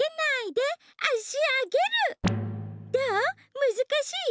むずかしい？